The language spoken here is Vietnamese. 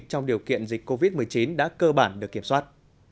trong điều kiện dịch covid một mươi chín đã cơ bản được kiểm soát